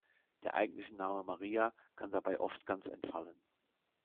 Der eigentliche Name "Maria" kann dabei oft ganz entfallen.